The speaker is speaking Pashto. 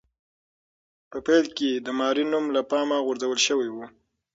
په پیل کې د ماري نوم له پامه غورځول شوی و.